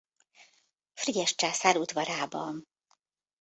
Frigyes császár udvarában.